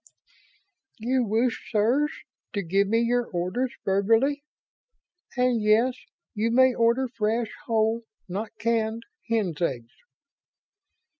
"You wish, sirs, to give me your orders verbally. And yes, you may order fresh, whole, not canned hens' eggs."